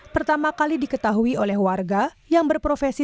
pertama kali diketahui oleh warga yang berprofesi